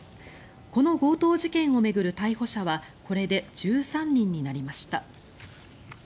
この強盗事件を巡る逮捕者はこれで１３人になりました。